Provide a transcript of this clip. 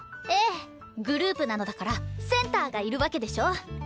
ええグループなのだからセンターがいるわけでしょ？